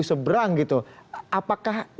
seberang gitu apakah